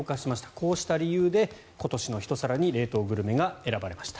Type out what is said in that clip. こうした理由で今年の一皿に冷凍グルメが選ばれました。